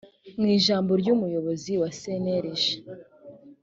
mu ijambo ry umuyobozi wa cnlg